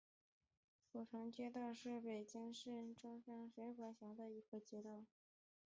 古城街道是中国北京市石景山区下辖的一个街道。